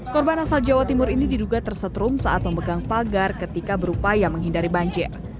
korban asal jawa timur ini diduga tersetrum saat memegang pagar ketika berupaya menghindari banjir